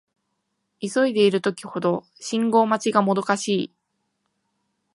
急いでいる時ほど信号待ちがもどかしい